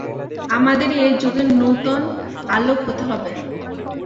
আমাদেরই এ যুগের নূতন আলোক হতে হবে।